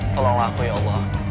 tolonglah aku ya allah